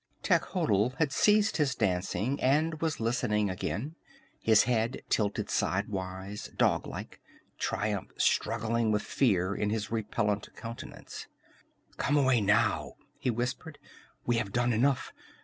Techotl had ceased his dancing and was listening again, his head tilted sidewise, dog like, triumph struggling with fear in his repellent countenance. "Come away, now!" he whispered. "We have done enough!